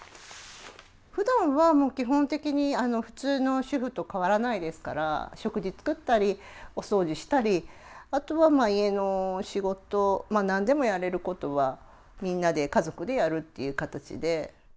ふだんは基本的に普通の主婦と変わらないですから食事作ったりお掃除したりあとはまあ家の仕事まあ何でもやれることはみんなで家族でやるっていう形で。